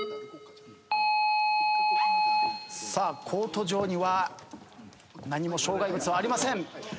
さあコート上には何も障害物はありません。